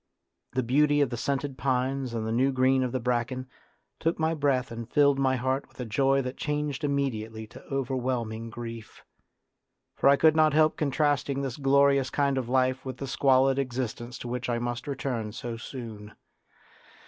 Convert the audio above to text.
The beauty of the scented pines and the new green of the bracken took my breath and filled my heart with a joy that changed immediately to overwhelming grief; for I could not help contrasting this glorious kind of life with the squalid existence to which I must return so soon.